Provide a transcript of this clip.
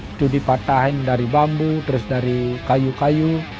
itu dipatahin dari bambu terus dari kayu kayu